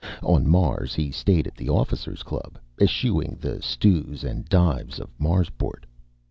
On Mars, he stayed at the Officers' Club, eschewing the stews and dives of Marsport.